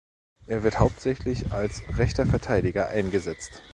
Er wird hauptsächlich als rechter Verteidiger eingesetzt.